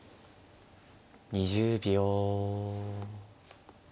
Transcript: ２０秒。